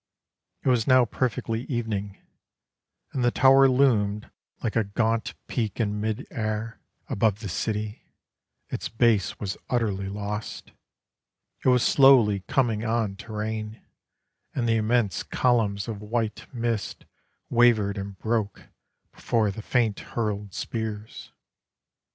It was now perfectly evening: And the tower loomed like a gaunt peak in mid air Above the city: its base was utterly lost. It was slowly coming on to rain, And the immense columns of white mist Wavered and broke before the faint hurled spears.